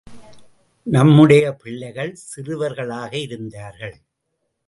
நம்முடைய பிள்ளைகள் சிறுவர்களாக இருந்தார்கள்.